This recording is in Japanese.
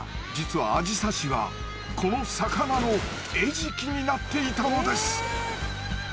実はアジサシはこの魚の餌食になっていたのです。